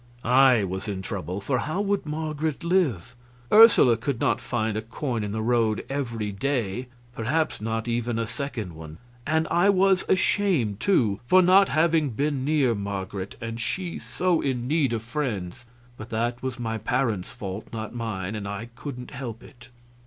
I was in trouble, for how would Marget live? Ursula could not find a coin in the road every day perhaps not even a second one. And I was ashamed, too, for not having been near Marget, and she so in need of friends; but that was my parents' fault, not mine, and I couldn't help it.